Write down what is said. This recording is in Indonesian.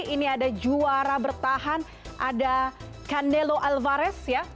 ini ada juara bertahan ada candelo alvarado